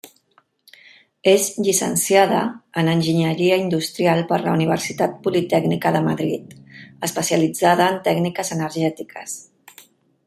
És llicenciada en Enginyeria Industrial per la Universitat Politècnica de Madrid, especialitzada en tècniques energètiques.